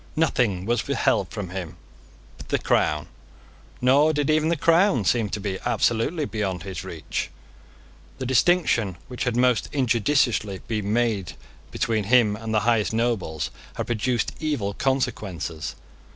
Nothing was withheld from him but the crown; nor did even the crown seem to be absolutely beyond his reach. The distinction which had most injudiciously been made between him and the highest nobles had produced evil consequences.